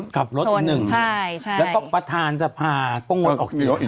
ขับรถอีกหนึ่งแล้วก็ประธานสภาป้องกวนออกศิลป์